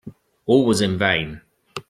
All was in vain.